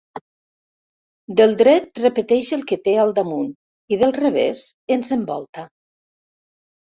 Del dret repeteix el que té al damunt i del revés ens envolta.